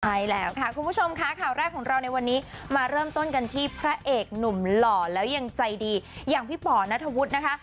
ใช่แล้วค่ะคุณผู้ชมค่ะข่าวแรกของเราในวันนี้มาเริ่มต้นกันที่พระเอกหนุ่มหล่อแล้วยังใจดีอย่างพี่ป่อนัทวุฒินะคะ